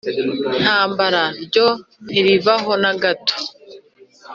ntambara, Ryo ntirivaho na gato.